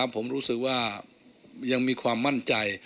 ผมรู้สึกว่ายังมีความมั่นใจ